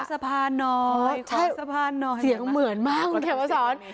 ขอสะพานน้อยขอสะพานน้อยเสียงเหมือนมากเขียนว่าสอน